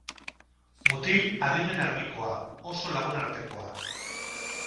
Mutil adimen argikoa, oso lagunartekoa.